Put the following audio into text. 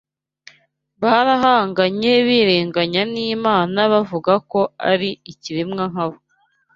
barahangaye bigereranya n’Imana, bavuga ko ari Ikiremwa nka bo